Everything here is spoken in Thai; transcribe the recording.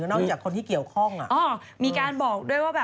สนุกตรงนี้แหละ